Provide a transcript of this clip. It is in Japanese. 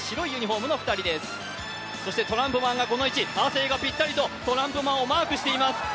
トランプマンがこの位置、亜生がぴったりとマークしています。